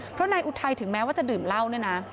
เพราะนายอุทัยถึงแม้ว่าจะดื่มเหล้าเนี่ยนะ